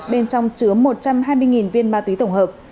bên trong chứa một trăm hai mươi viên ma túy tổng hợp